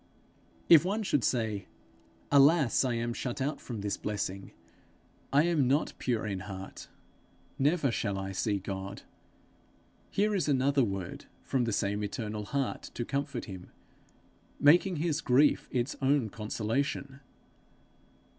If one should say, 'Alas, I am shut out from this blessing! I am not pure in heart: never shall I see God!' here is another word from the same eternal heart to comfort him, making his grief its own consolation.